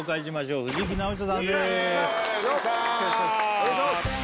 お願いします